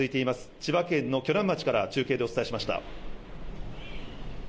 千葉県の鋸南町から中継でお伝えしました。